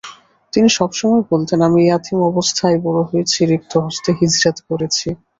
তিনি সবসময় বলতেন, আমি ইয়াতীম অবস্থায় বড় হয়েছি, রিক্ত হস্তে হিজরাত করেছি।